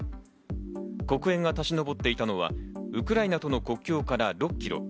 黒煙が立ちのぼっていたのはウクライナとの国境から６キロ。